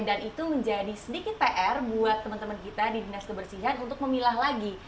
dan itu menjadi sedikit pr buat teman teman kita di dinas kebersihan untuk memilah lagi